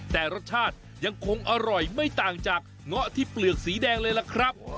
แต่รสชาติยังคงอร่อยไม่ต่างจากเงาะที่เปลือกสีแดงเลยล่ะครับ